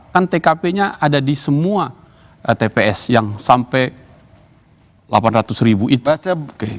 kan tkp nya ada di semua tps yang sampai delapan ratus ribu itu aja